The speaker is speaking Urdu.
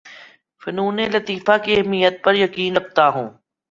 فنون لطیفہ کی اہمیت پر یقین کرتا ہوں